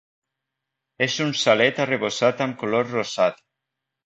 És un xalet arrebossat amb color rosat.